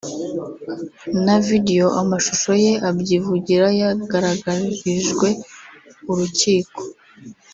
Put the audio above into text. na video (amashusho) ye abyivugira yagaragarijwe urukiko